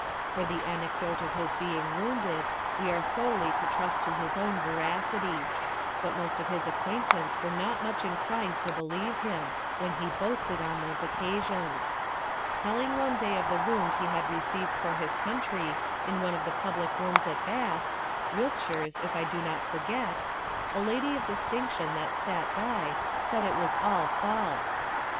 For the anecdote of his being wounded, we are solely to trust to his own veracity ; but most of his acquaintance were not much inclined to believe him, when he boasted on those occasions. Telling one day of the wound he had received for his country, in one of the public rooms at Bath (Wiltshire's, if I do not forget), a lady of distinction that sat by, said it was all false.